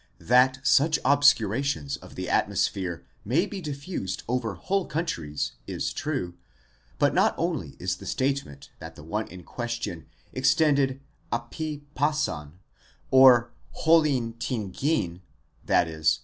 'That such obscurations of the atmosphere may be diffused over whole countries, is true; but not only is the statement that the one in question extended ἐπὶ πᾶσαν or ὅλην τήν γῆν, 1.6.